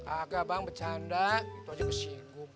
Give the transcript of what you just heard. agak bang bercanda itu aja gue singgung